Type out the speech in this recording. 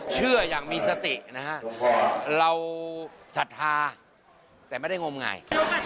เชื่ออย่างมีสตินะฮะเราศรัทธาแต่ไม่ได้งมหงาย